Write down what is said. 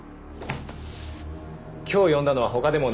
今日呼んだのは他でもない。